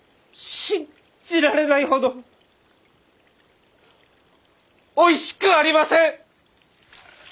信じられないほどおいしくありません！